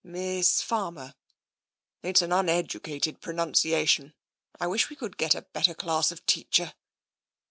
" Miss Farmer." " It's an uneducated pronunciation. I wish we could get a better class of teacher."